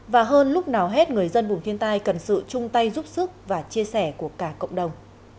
và hơn lúc nào hết người dân vùng thiên tai cần sự chung tay giúp sức và chia sẻ của cả cộng đồng